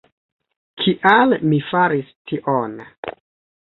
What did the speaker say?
Kial mi faris tion?